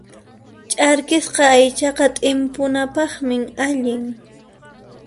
Ch'arkisqa aychaqa t'impupaqmi allin.